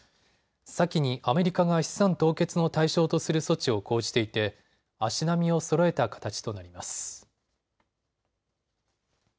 先にアメリカが資産凍結の対象とする措置を講じていて足並みをそろえた形となります。